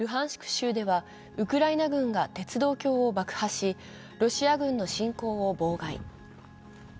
州ではウクライナ軍が鉄道橋を爆破し、ロシア軍の侵攻を妨害。